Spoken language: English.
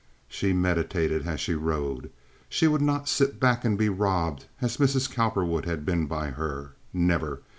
She meditated as she rode. She would not sit back and be robbed as Mrs. Cowperwood had been by her. Never!